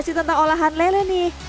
masih tentang olahan lele nih